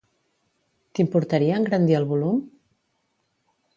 T'importaria engrandir el volum?